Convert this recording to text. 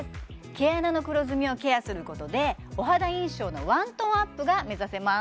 毛穴の黒ずみをケアすることでお肌印象のワントーンアップが目指せます